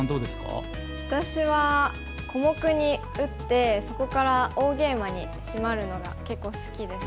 私は小目に打ってそこから大ゲイマにシマるのが結構好きですね。